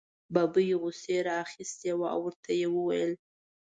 ببۍ غوسې را اخیستې وه او ورته یې وویل.